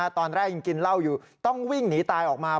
ตอนแรกยังกินเหล้าอยู่ต้องวิ่งหนีตายออกมา